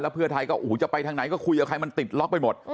เพื่อไทยก็โอ้โหจะไปทางไหนก็คุยกับใครมันติดล็อกไปหมด